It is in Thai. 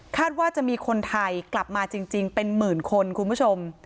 ว่าจะมีคนไทยกลับมาจริงเป็นหมื่นคนคุณผู้ชม